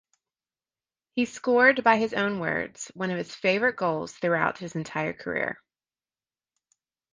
He scored by his own words, one of his favorite goals throughout entire career.